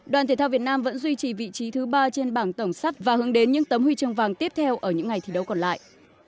đoàn thể thao việt nam vẫn duy trì vị trí thứ ba trên bảng tổng sắp và hướng đến những tấm huy chương vàng tiếp theo ở những ngày thi đấu còn lại